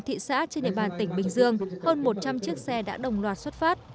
thị xã trên địa bàn tỉnh bình dương hơn một trăm linh chiếc xe đã đồng loạt xuất phát